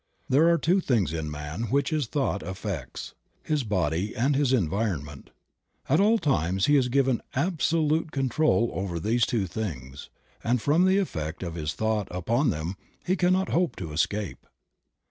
There are two things in man which his thought affects, his body and his environment. At all times he is given absolute control over these two things, and from the effect of his thought upon them he cannot hope to escape.